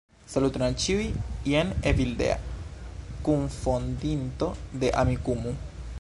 Saluton al ĉiuj! Jen Evildea, kunfondinto de Amikumu!